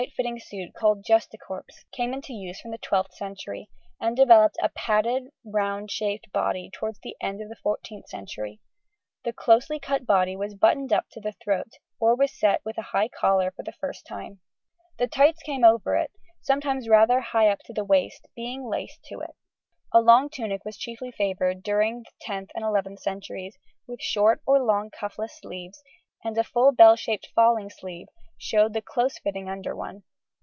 ] A very tight fitting suit called Justacorps came into use from the 12th century, and developed a padded round shaped body towards the end of the 14th century; the closely cut body was buttoned up to the throat, or was set with a high collar for the first time. The tights came over it, sometimes rather high up the waist, being laced to it. A long tunic was chiefly favoured during the 10th and 11th centuries with short or long cuffless sleeves, and a full bell shaped falling sleeve showed a close fitting under one.